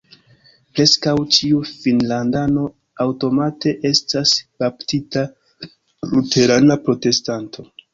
Preskaŭ ĉiu finnlandano aŭtomate estas baptita luterana protestanto.